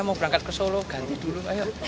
mau berangkat ke solo ganti dulu ayo